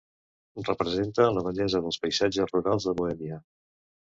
Representa la bellesa dels paisatges rurals de Bohèmia.